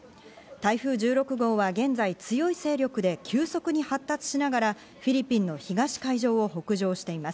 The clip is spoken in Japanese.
台風１６号は現在、強い勢力で急速に発達しながらフィリピンの東海上を北上しています。